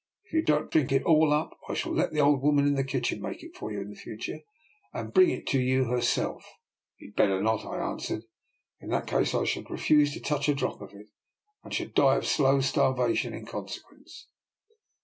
If you don't drink it all up, I shall let the old woman in the kitchen make it for you in the future and bring it to you her self." " You had better not," I answered. " In that case I should refuse to touch a drop of it, and should die of slow starvation in conse quence."